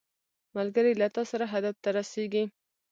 ملګری له تا سره هدف ته رسیږي